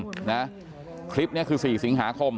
พี่สาวของเธอบอกว่ามันเกิดอะไรขึ้นกับพี่สาวของเธอ